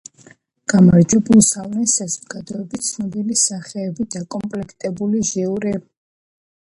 გამარჯვებულებს ავლენს საზოგადოების ცნობილი სახეებით დაკომპლექტებული ჟიური.